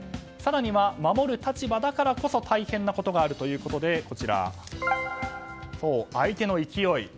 更には守る立場だからこそ大変なことがあるということで相手の勢い。